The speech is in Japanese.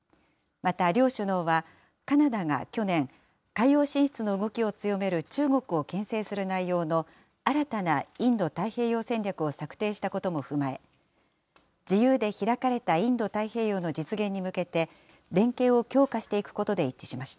また、両首脳はカナダが去年、海洋進出の動きを強める中国をけん制する内容の新たなインド太平洋戦略を策定したことも踏まえ、自由で開かれたインド太平洋の実現に向けて、連携を強化していくことで一致しました。